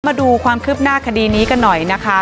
มาดูความคืบหน้าคดีนี้กันหน่อยนะคะ